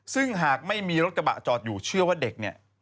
ซึ่งหากไม่มีรถกระบะจอดอยู่เชื่อว่าเด็กเนี่ย